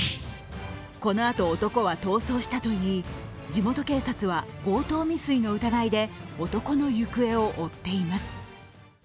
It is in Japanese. このあと男は逃走したといい地元警察は強盗未遂の疑いで男の行方を追っています。